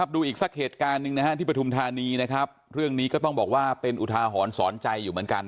ดูอีกสักเหตุการณ์ที่ปฐุมธานีเรื่องนี้ก็ต้องบอกว่าเป็นอุทาหอนสอนใจอยู่เหมือนกัน